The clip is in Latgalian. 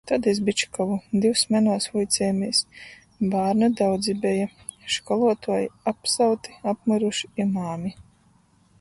Tod iz Bičkovu. Div smenuos vuicējemēs, bārnu daudzi beja. Školuotuoji apsauti, apmyruši i māmi.